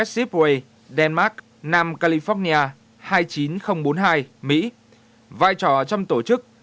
sipway delmark nam california hai mươi chín nghìn bốn mươi hai mỹ vai trò trong tổ chức